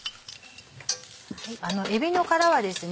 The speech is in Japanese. えびの殻はですね